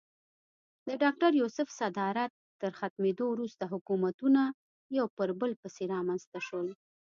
د ډاکټر یوسف صدارت تر ختمېدو وروسته حکومتونه یو پر بل پسې رامنځته شول.